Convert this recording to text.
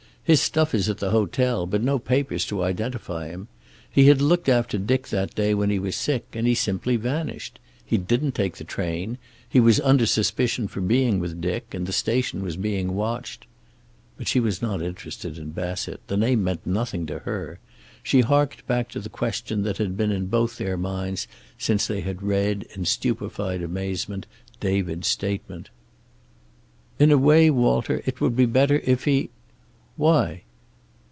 His stuff is at the hotel, but no papers to identify him. He had looked after Dick that day when he was sick, and he simply vanished. He didn't take the train. He was under suspicion for being with Dick, and the station was being watched." But she was not interested in Bassett. The name meant nothing to her. She harked back to the question that had been in both their minds since they had read, in stupefied amazement, David's statement. "In a way, Walter, it would be better, if he..." "Why?"